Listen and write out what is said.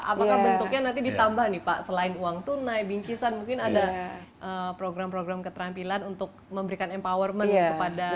apakah bentuknya nanti ditambah nih pak selain uang tunai bingkisan mungkin ada program program keterampilan untuk memberikan empowerment kepada